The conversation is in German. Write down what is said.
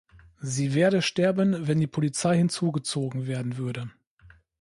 Sie werde sterben, wenn die Polizei hinzugezogen werden würde.